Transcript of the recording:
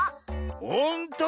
ほんとだ！